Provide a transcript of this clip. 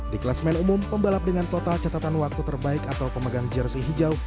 di kelas main umum pembalap dengan total catatan waktu terbaik atau pemegang jersey hijau